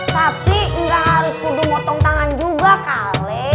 tapi gak harus kudu motong tangan juga kale